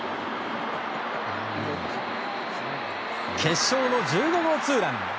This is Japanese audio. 決勝の１５号ツーラン。